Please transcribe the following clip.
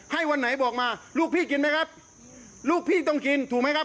วันไหนบอกมาลูกพี่กินไหมครับลูกพี่ต้องกินถูกไหมครับ